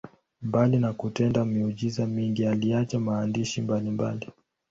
Mbali na kutenda miujiza mingi, aliacha maandishi mbalimbali.